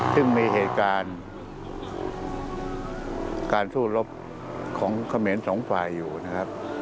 ซึ่งมีเหตุการณ์การสู้รบของเขมรสองฝ่ายอยู่นะครับ